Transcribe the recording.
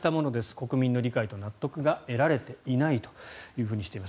国民の理解と納得が得られていないとしています。